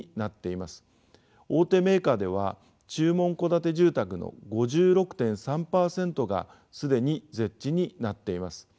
大手メーカーでは注文戸建て住宅の５６．３％が既にＺＥＨになっています。